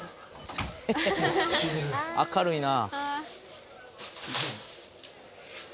明るいな。